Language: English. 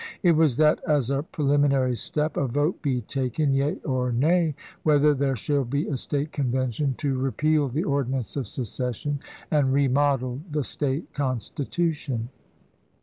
It was that, as a preliminary step, a vote be taken, yea or nay, whether there shall be a State Convention to repeal the ordinance of secession and remodel the State constitution.